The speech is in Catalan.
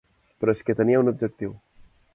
Però és que tenia un objectiu.